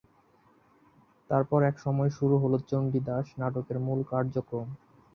তারপর একসময় শুরু হলো চণ্ডীদাস নাটকের মূল কার্যক্রম।